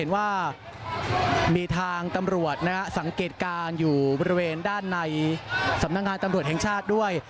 ว่ามีทางตำรวจสังเกตการณ์อยู่บริเวณด้านในสำนักงานตำรวจแห่งชาติด้วย